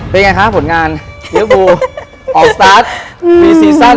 เป็นยังไงคะผลงานเรียวภูออกสตาร์ทปีซีซัน